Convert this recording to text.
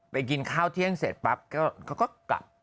กินข้าวเที่ยงเสร็จปั๊บเขาก็กลับ